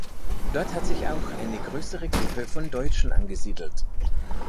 Dort hat sich auch eine größere Gruppe von Deutschen angesiedelt.